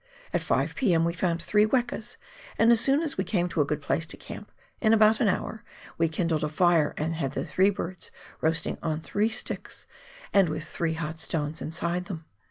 At 5 p.m. we found three wekas, and as soon as we came to a good place to camp — in about an hour — we kindled a fire, and had the three birds roasting on three sticks, and with three hot stones inside them.